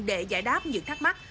để giải đáp những thắc mắc